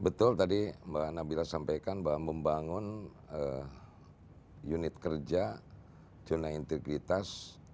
betul tadi mbak nabila sampaikan bahwa membangun unit kerja zona integritas